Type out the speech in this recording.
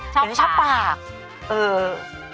ชอบปากเออ